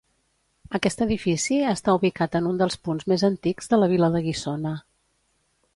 Aquest edifici està ubicat en un dels punts més antics de la vila de Guissona.